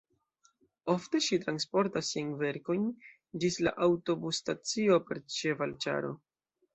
Ofte ŝi transportas siajn verkojn ĝis la aŭtobus-stacio per ĉevalĉaro.